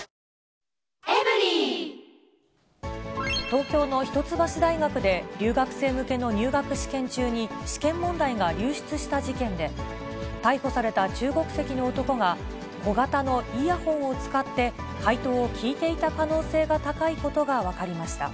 東京の一橋大学で、留学生向けの入学試験中に、試験問題が流出した事件で、逮捕された中国籍の男が、小型のイヤホンを使って、解答を聞いていた可能性が高いことが分かりました。